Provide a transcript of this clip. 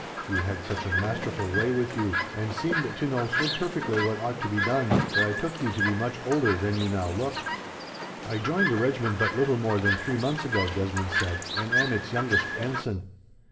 You had such a masterful way with you, and seemed to know so perfectly what ought to be done, that I took you to be much older than you now look." "I joined the regiment but little more than three months ago," Desmond said, "and am its youngest ensign."